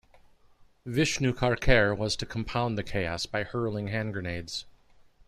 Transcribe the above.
Vishnu Karkare was to compound the chaos by hurling hand grenades.